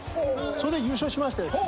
それで優勝しましてですね